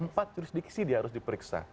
empat jurisdiksi dia harus diperiksa